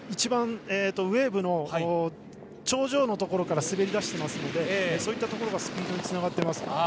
ウエーブの一番頂上のところから滑り出していますのでそういったところがスピードにつながっています。